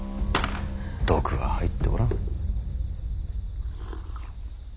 毒は入っておらん。